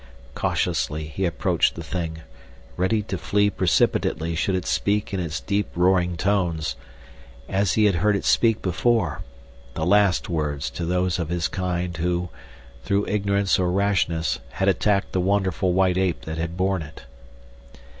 Cautiously he approached the thing, ready to flee precipitately should it speak in its deep roaring tones, as he had heard it speak before, the last words to those of his kind who, through ignorance or rashness, had attacked the wonderful white ape that had borne it.